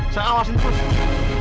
saya awasin terus